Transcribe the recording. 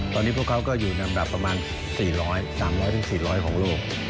ตอนนี้พวกเขาก็อยู่ลำดับประมาณ๔๐๐๓๐๐๔๐๐ของโลก